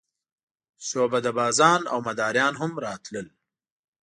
شعبده بازان او مداریان هم راتلل.